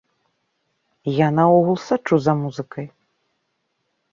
Я наогул сачу за музыкай.